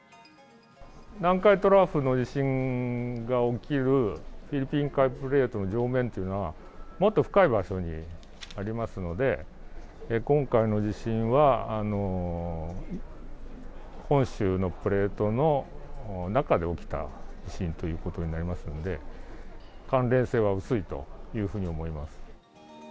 南海トラフの地震が起きるフィリピン海プレート上面というのは、もっと深い場所にありますので、今回の地震は本州のプレートの中で起きた地震ということになりますので、関連性は薄いというふうに思います。